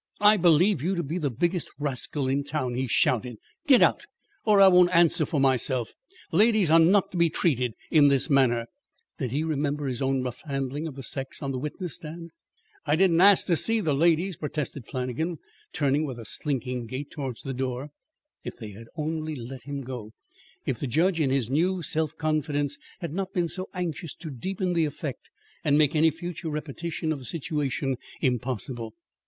"I believe you to be the biggest rascal in town," he shouted. "Get out, or I won't answer for myself. Ladies are not to be treated in this manner." Did he remember his own rough handling of the sex on the witness stand? "I didn't ask to see the ladies," protested Flannagan, turning with a slinking gait towards the door. If they only had let him go! If the judge in his new self confidence had not been so anxious to deepen the effect and make any future repetition of the situation impossible!